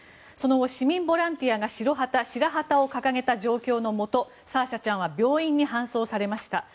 その後、市民ボランティアが白幡を掲げた状況のもとサーシャちゃんは病院に搬送されました。